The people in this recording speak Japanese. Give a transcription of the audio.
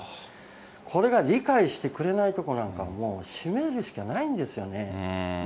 これが理解してくれないところなんか、もう閉めるしかないんですよね。